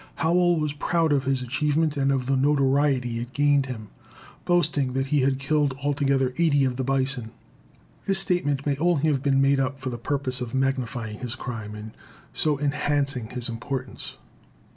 Howell was proud of his achievement and of the notoriety it gave him, boasting that he had killed altogether eighty of the bison. This statement may only have been made for the purpose of magnifying his crime and so enhancing his importance.